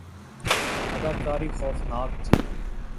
اداکاری خوفناک تھی